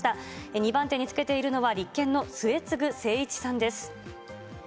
２番手につけているのは、立憲の末次精一さんです。